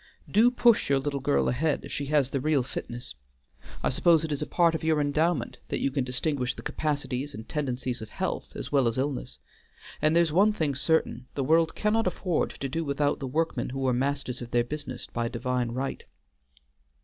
Do push your little girl ahead if she has the real fitness. I suppose it is a part of your endowment that you can distinguish the capacities and tendencies of health as well as illness; and there's one thing certain, the world cannot afford to do without the workmen who are masters of their business by divine right."